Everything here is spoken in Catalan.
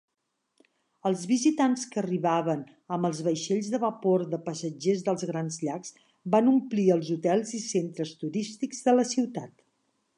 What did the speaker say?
Els visitants que arribaven amb els vaixells de vapor de passatgers dels grans llacs van omplir els hotels i centres turístics de la ciutat.